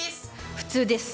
普通です。